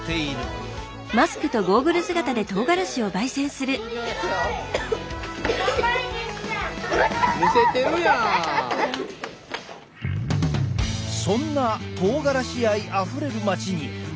そんなとうがらし愛あふれる町に「トリセツ」が出張！